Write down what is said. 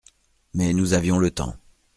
Mais nous avions le temps.